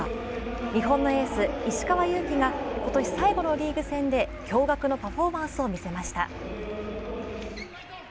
日本のエース・石川祐希が今年最後のリーグ戦で驚がくのパフォーマンスを見せました。